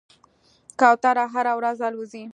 کوتره هره ورځ الوځي.